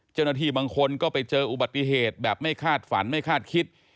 เจ้าหน้าที่บางคนก็ไปเจออุบัติเหตุแบบไม่คาดฝันไม่คาดคิด